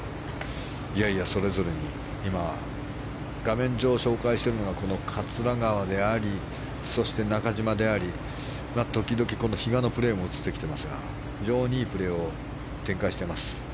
それぞれに画面上、紹介しているのが桂川でありそして中島であり時々、比嘉のプレーも映ってきていますが非常にいいプレーを展開しています。